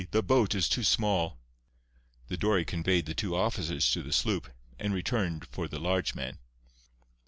The boat is too small." The dory conveyed the two officers to the sloop, and returned for the large man.